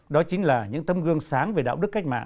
đó chính là những tấm gương sáng về đạo đức cách mạng